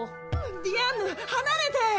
ディアンヌ離れて！